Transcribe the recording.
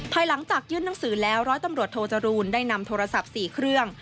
ภายหลังจากยื่นหนังสือแล้วร้อยตำรวจโทจรูลได้นำโทรศัพท์๔เครื่อง